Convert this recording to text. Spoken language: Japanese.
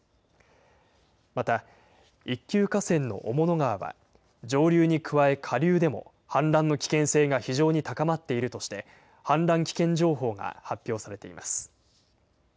また一級河川の雄物川は、上流に加え下流でも氾濫の危険性が非常に高まっているとして、氾濫危険情報が発表されています。